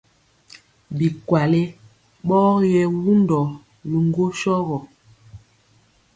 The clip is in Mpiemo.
Bikwale ɓɔ yɛ wundɔ biŋgwo sɔrɔ.